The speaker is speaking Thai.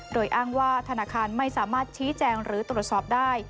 โดยอ้างว่าธนาคารไม่สามารถชี้แจงหรือตรวจสอบได้